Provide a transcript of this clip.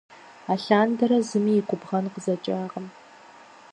Алъандэрэ зыми и губгъэн къызэкӀакъым.